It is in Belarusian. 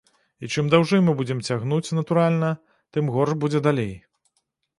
І чым даўжэй мы будзем цягнуць, натуральна, тым горш будзе далей.